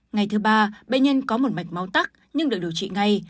ngày thứ ba bệnh nhân có một mạch máu tắc nhưng được điều trị ngay